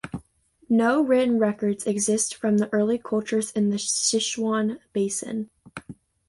No written records exist from early cultures in the Sichuan Basin.